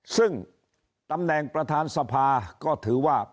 ซึ่งตำแหน่งประธานสภาก็ถือว่า